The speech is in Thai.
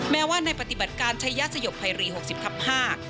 แม้ว่าในปฏิบัติการชัยศยกภัยรี๖๐ทับ๕